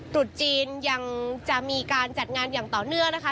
ตรุษจีนยังจะมีการจัดงานอย่างต่อเนื่องนะคะ